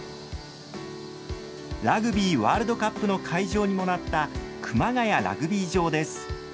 ラグビーワールドカップの会場にもなった熊谷ラグビー場です。